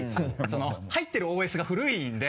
入ってるＯＳが古いんで。